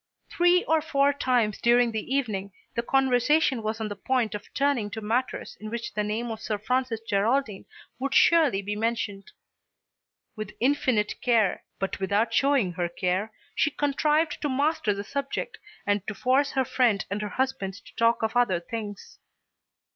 Three or four times during the evening the conversation was on the point of turning to matters in which the name of Sir Francis Geraldine would surely be mentioned. With infinite care, but without showing her care, she contrived to master the subject, and to force her friend and her husband to talk of other things.